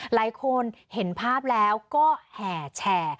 หลายคนเห็นภาพแล้วก็แห่แชร์